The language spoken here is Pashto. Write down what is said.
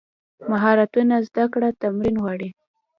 مهارتونه زده کړه تمرین غواړي.